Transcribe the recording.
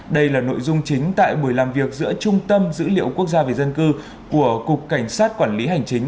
đây là nội dung chính tại buổi làm việc giữa trung tâm dữ liệu quốc gia về dân cư của cục cảnh sát quản lý hành chính